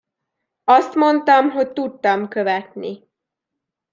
Azt mondtam, hogy tudtam követni.